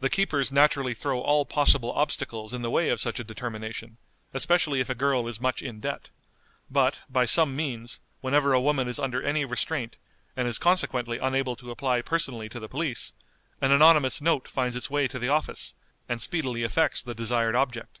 The keepers naturally throw all possible obstacles in the way of such a determination, especially if a girl is much in debt; but, by some means, whenever a woman is under any restraint, and is consequently unable to apply personally to the police, an anonymous note finds its way to the office, and speedily effects the desired object.